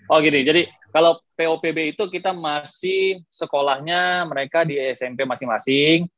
oh gini jadi kalau popb itu kita masih sekolahnya mereka di smp masing masing